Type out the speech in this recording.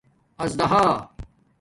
اژدھا